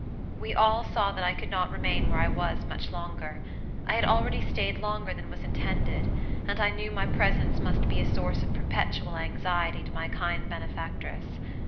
We all saw that I could not remain where I was much longer. I had already staid longer than was intended, and I knew my presence must be a source of perpetual anxiety to my kind benefactress.